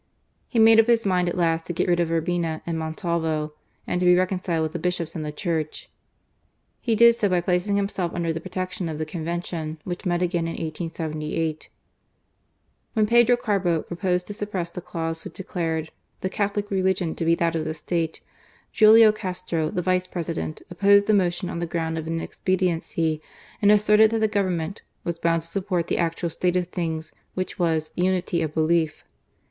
He made up his mind, at last, to get rid of Urbina and Montalvo, and to be reconciled with the Bishops and the Church. He did so by placing himself under the protection of the Convention, which met again in 1878. When Pedro Carbo proposed to suppress the clause which declared " the Catholic religion to be that of the State,'* Julio Castro, the Vice President, opposed the motion on the ground of inexpediency, and asserted that the Government "was bound to support the actual state of things, which 'W'as, unity of belief."